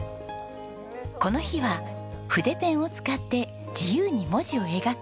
この日は筆ペンを使って自由に文字を描く